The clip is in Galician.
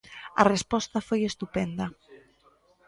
A resposta foi estupenda.